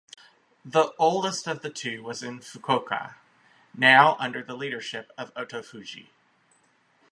The oldest of the two was in Fukuoka, now under the leadership of Otofuji.